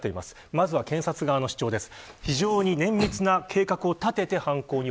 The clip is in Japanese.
まずは検察側の主張です。